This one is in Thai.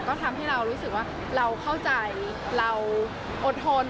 ก็ทำให้เรารู้สึกว่าเราเข้าใจเราอดทน